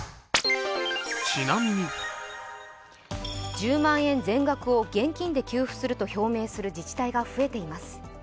１０万円全額を現金で給付すると表明する自治体が増えています。